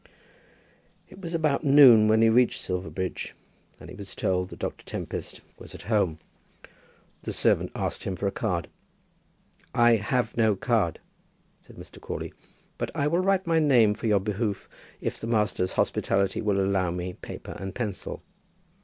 It was about noon when he reached Silverbridge, and he was told that Doctor Tempest was at home. The servant asked him for a card. "I have no card," said Mr. Crawley, "but I will write my name for your behoof if your master's hospitality will allow me paper and pencil."